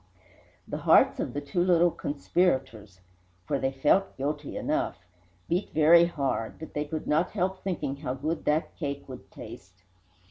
The hearts of the two little conspirators for they felt guilty enough beat very hard, but they could not help thinking how good that cake would taste.